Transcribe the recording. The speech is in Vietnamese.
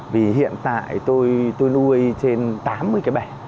vì hiện tại tôi tôi nuôi trên tám mươi cái bể